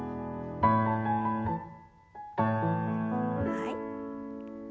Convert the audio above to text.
はい。